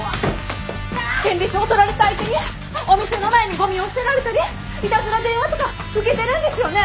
権利書を取られた相手にお店の前にゴミを捨てられたりイタズラ電話とか受けてるんですよね？